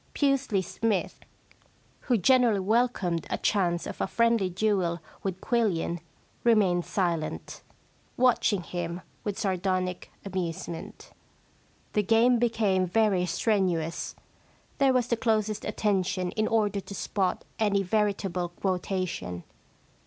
Pusely Smythe, who generally welcomed a chance of a friendly duel with Quillian remained silent, watching him with sardonic amusement. The game became very strenuous. There was the closest attention in order to spot any veritable quotation.